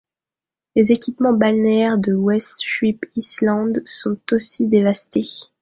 Les équipements balnéaires de West Ship Island sont aussi dévastés.